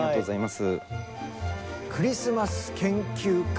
クリスマス研究家